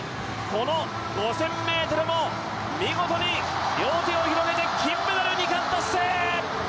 この５０００ｍも、見事に両手を広げて金メダル、２冠達成！